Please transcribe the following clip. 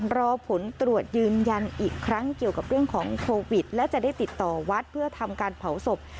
รอผลตรวจยืนยันอีกครั้งเกี่ยวกับเรื่องของโควิดและจะได้ติดต่อวัดเพื่อทำการเผาศพ